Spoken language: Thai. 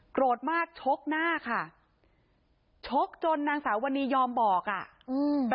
โกรธมากชกหน้าค่ะชกจนนางสาววันนี้ยอมบอกอ่ะอืม